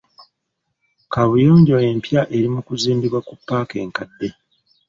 Kaabuyonjo empya eri mu kuzimbibwa ku paaka enkadde.